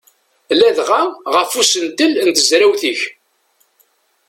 Ladɣa ɣef usentel n tezrawt-ik.